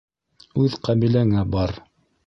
Үҙ ҡәбиләңә бар.